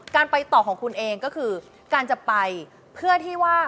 การไปต่อของคุณเองก็คือการจะไปเพื่อที่ว่า